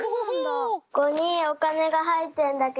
ここにおかねがはいってるんだけど。